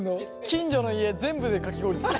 近所の家全部でかき氷作る。